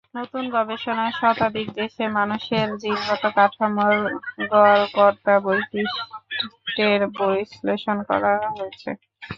নতুন গবেষণায় শতাধিক দেশের মানুষের জিনগত কাঠামোর গড়পড়তা বৈশিষ্ট্য বিশ্লেষণ করা হয়েছে।